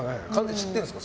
知ってるんですか？